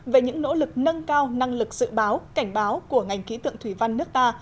về những nỗ lực nâng cao năng lực dự báo cảnh báo của ngành khí tượng thủy văn nước ta